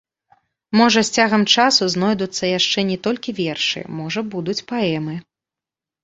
Можа з цягам часу знойдуцца яшчэ не толькі вершы, можа будуць паэмы.